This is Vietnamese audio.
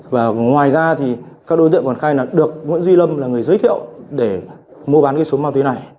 và ngoài ra thì các đối tượng còn khai là được nguyễn duy lâm là người giới thiệu để mua bán cái số ma túy này